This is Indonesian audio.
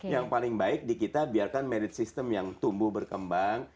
yang paling baik di kita biarkan merit system yang tumbuh berkembang